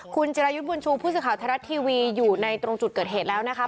คุณจิรายุทธ์บุญชูผู้สื่อข่าวไทยรัฐทีวีอยู่ในตรงจุดเกิดเหตุแล้วนะคะ